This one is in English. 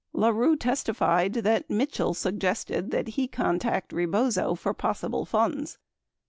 79 La Rue testified that Mitchell suggested that he contact Rebozo for possible funds.